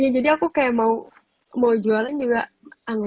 jadi aku kayak mau jualan juga ah gak usah deh nanti keasinan gitu